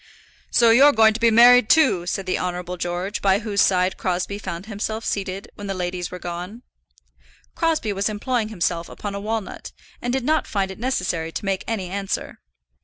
"So you're going to be married, too," said the Honourable George, by whose side Crosbie found himself seated when the ladies were gone. Crosbie was employing himself upon a walnut, and did not find it necessary to make any answer.